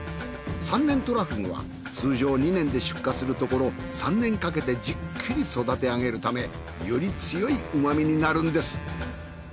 ３年とらふぐは通常２年で出荷するところ３年かけてじっくり育てあげるためより強い旨味になるんです。